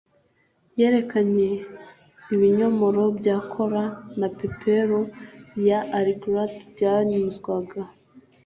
yerekanye ibinyomoro bya kola na peporo ya alligator, byanyuzwaga